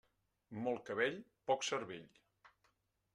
Molt cabell, poc cervell.